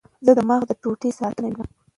زه د مغز د ټوټې ساتنه وینم.